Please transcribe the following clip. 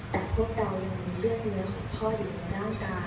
แต่พวกเรายังมีเลือดเนื้อของพ่ออยู่ในร่างกาย